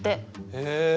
へえ。